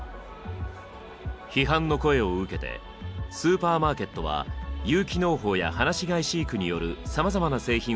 批判の声を受けてスーパーマーケットは有機農法や放し飼い飼育によるさまざまな製品を提供し始めました。